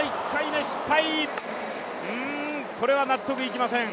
これは納得いきません。